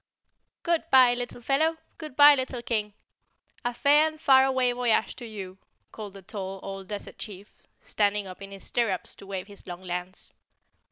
"Goodbye, Little Fellow! Goodbye, Little King! A fair and far away voyage to you," called the tall old desert chief, standing up in his stirrups to wave his long lance.